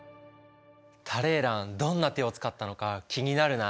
タレーランどんな手を使ったのか気になるな。